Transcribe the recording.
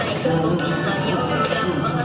ใครก็มีใครอยู่กับมัน